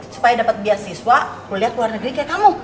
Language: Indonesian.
supaya dapat beasiswa kuliah ke luar negeri kayak kamu